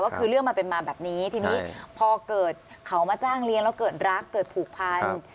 ก็คือเรื่องมันเป็นมาแบบนี้ทีนี้พอเกิดเขามาจ้างเลี้ยงแล้วเกิดรักเกิดผูกพัน